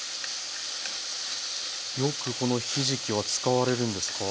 よくこのひじきは使われるんですか？